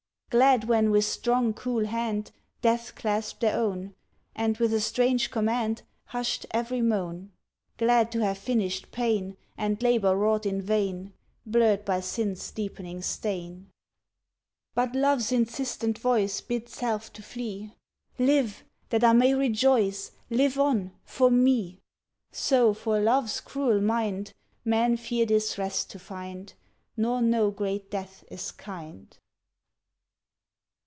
Glad, when with strong, cool hand Death clasped their own, And with a strange command Hushed every moan; Glad to have finished pain, And labor wrought in vain, Blurred by Sin's deepening stain. But Love's insistent voice Bids self to flee "Live that I may rejoice, Live on, for me!" So, for Love's cruel mind, Men fear this Rest to find, Nor know great Death is kind!